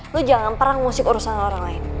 lo jangan perangusik urusan sama orang lain